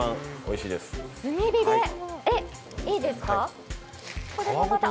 いいですか？